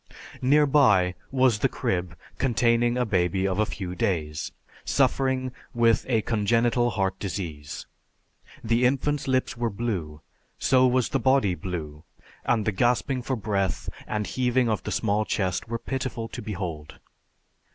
Nearby was the crib containing a baby of a few days, suffering with a congenital heart disease. The infant's lips were blue, so was the body blue, and the gasping for breath and heaving of the small chest were pitiful to behold.